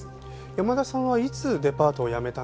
山田さんはいつデパートを辞めたんでしょうか？